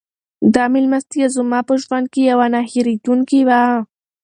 دا مېلمستیا زما په ژوند کې یوه نه هېرېدونکې وه.